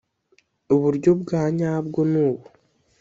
uburyo bwa nyabwo ni ubu